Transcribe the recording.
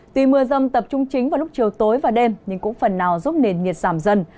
tuy mưa rông tập trung chính vào lúc chiều tối và đêm nhưng cũng phần nào giúp nền nhiệt giảm dần